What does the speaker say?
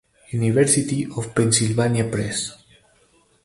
University of Pennsylvania Press.